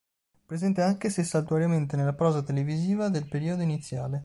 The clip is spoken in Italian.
Presente anche se saltuariamente nella prosa televisiva nel periodo iniziale.